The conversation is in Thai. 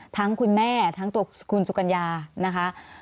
คุณแม่ทั้งตัวคุณสุกัญญานะคะ